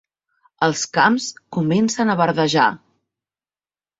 Els camps comencen a verdejar.